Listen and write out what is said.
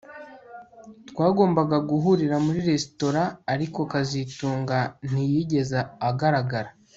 Twagombaga guhurira muri resitora ariko kazitunga ntiyigeze agaragara